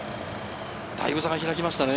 だいぶ差が開きましたね。